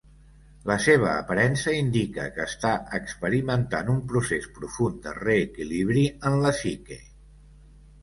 La seva aparença indica que està experimentant un procés profund de reequilibri en la psique.